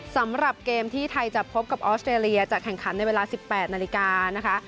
สำหรับเกมที่ไทยจะพบกับออสเตรเลียจะแข่งขันในเวลา๑๘นาฬิกานะคะ